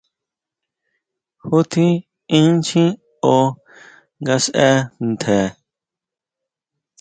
¿Ju tjín inchjín ó nga sʼe ntje?